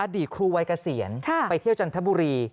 ดีครูวัยเกษียณไปเที่ยวจันทบุรี